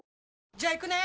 じゃあ行くね！